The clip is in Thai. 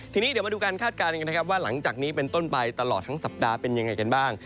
ทีนี้เดี๋ยวมาดูการคาดการณ์กันนะครับว่าหลังจากนี้เป็นต้นไปตลอดทั้งสัปดาห์เป็นยังไงกันบ้าง